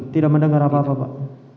tidak mendengar apa apa pak